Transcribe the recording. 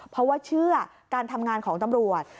เพราะว่าเชื่อการทำงานของตำรวจ